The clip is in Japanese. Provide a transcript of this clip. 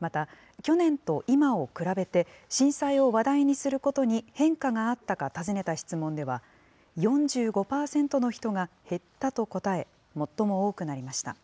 また、去年と今を比べて、震災を話題にすることに変化があったか尋ねた質問では、４５％の人が減ったと答え、最も多くなりました。